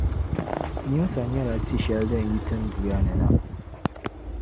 Nyimsa nyɛ la tia shɛli din yi tinduya ni na.